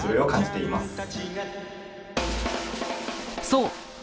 そう！